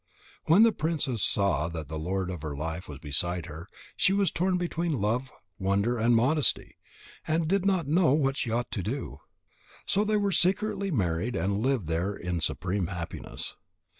When the princess saw that the lord of her life was beside her, she was torn between love and wonder and modesty, and did not know what she ought to do. So they were secretly married and lived there in supreme happiness.